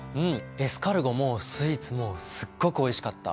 エスカルゴもスイーツもすっごくおいしかった。